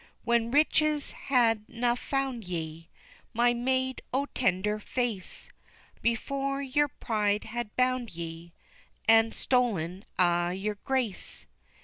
When riches had na found ye My maid o' tender face! Before yer pride had bound ye, An' stolen a' yer grace.